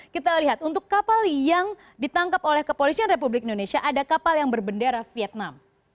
kita lihat untuk kapal yang ditangkap oleh kepolisian republik indonesia ada kapal yang berbendera vietnam